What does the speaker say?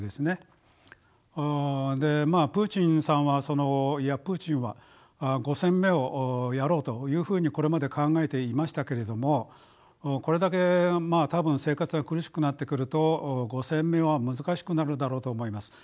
でまあプーチンさんはそのいやプーチンは５選目をやろうというふうにこれまで考えていましたけれどもこれだけ多分生活が苦しくなってくると５選目は難しくなるだろうと思います。